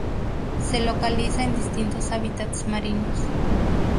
Se localiza en distintos hábitats marinos.